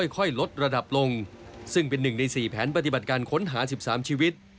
ค่อยลดระดับลงซึ่งเป็น๑ใน๔แผนปฏิบัติการค้นหา๑๓ชีวิต